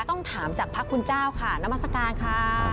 ต้องถามจากพระคุณเจ้าค่ะนามัศกาลค่ะ